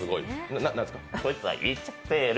こいつは、いっちゃってる。